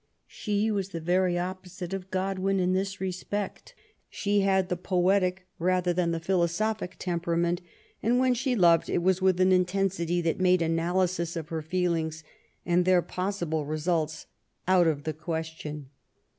She was the very opposite of Godwin in this respect. She had the poetic rather than the philosophic temperament, and when she loved it was / with an intensity that made analysis of her feelings and their possible results out of the question.